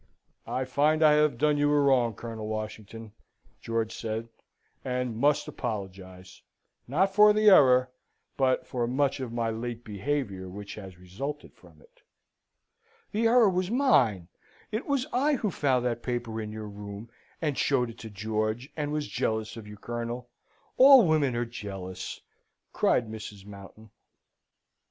"I find I have done you a wrong, Colonel Washington," George said, "and must apologise, not for the error, but for much of my late behaviour which has resulted from it." "The error was mine! It was I who found that paper in your room, and showed it to George, and was jealous of you, Colonel. All women are jealous," cried Mrs. Mountain.